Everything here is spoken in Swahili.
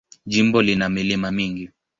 Jimbo lina milima mingi.